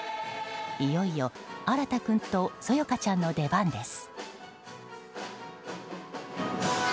いよいよ、新太君とそよかちゃんの出番です。